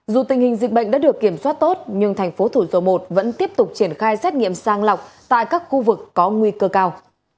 dù tình hình dịch bệnh đã được kiểm soát tốt nhưng thành phố thủ dầu một vẫn tiếp tục triển khai xét nghiệm sang lọc tại các khu vực có nguy cơ cao